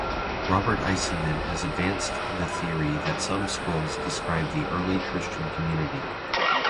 Robert Eisenman has advanced the theory that some scrolls describe the early Christian community.